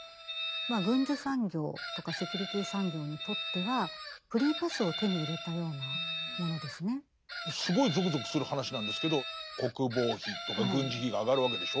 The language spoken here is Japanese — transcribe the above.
まあ軍需産業とかセキュリティ産業にとってはすごいぞくぞくする話なんですけど国防費とか軍事費が上がるわけでしょ。